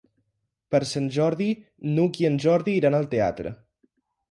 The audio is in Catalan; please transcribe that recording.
Per Sant Jordi n'Hug i en Jordi iran al teatre.